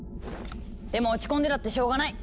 でも落ち込んでたってしょうがない！